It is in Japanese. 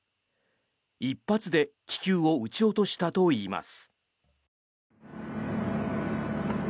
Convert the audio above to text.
１発で気球を撃ち落としたといいます。